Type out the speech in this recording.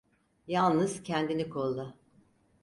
Yalnız kendini kolla.